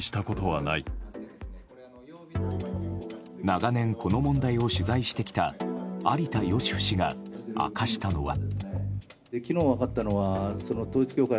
長年、この問題を取材してきた有田芳生氏が明かしたのは。